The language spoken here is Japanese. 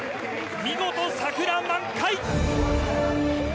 見事、桜満開。